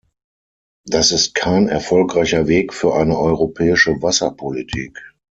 Das ist kein erfolgreicher Weg für eine europäische Wasserpolitik.